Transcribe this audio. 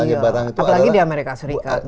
apalagi di amerika serikat